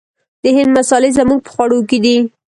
د هند مسالې زموږ په خوړو کې دي.